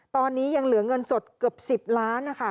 ตอนนี้ยังเหลือเงินสดเกือบ๑๐ล้านนะคะ